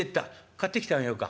「買ってきてあげようか？」。